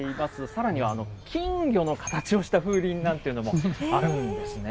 さらには金魚の形をした風鈴なんていうのもあるんですね。